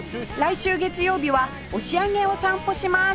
来週月曜日は押上を散歩します